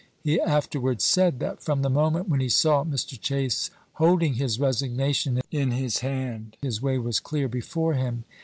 He afterwards said, that from the moment when he saw Mr. Chase holding his resignation in his hand, his way was clear before him.